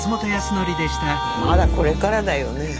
まだこれからだよねえ。